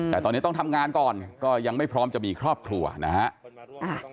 แต่ตอนนี้ต้องทำงานก่อนก็ยังไม่พร้อมจะมีครอบครัวนะฮะ